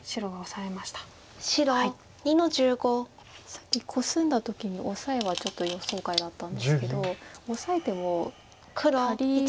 さっきコスんだ時にオサエはちょっと予想外だったんですけどオサえても足りる。